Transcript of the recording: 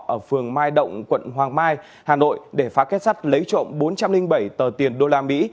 ở phường mai động quận hoàng mai hà nội để phá kết sắt lấy trộm bốn trăm linh bảy tờ tiền đô la mỹ